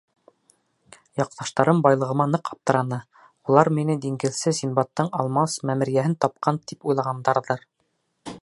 Яҡташтарым байлығыма ныҡ аптыраны, улар мине диңгеҙсе Синдбадтың алмас мәмерйәһен тапҡан тип уйлағандарҙыр.